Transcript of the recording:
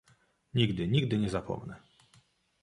"Nigdy, nigdy nie zapomnę."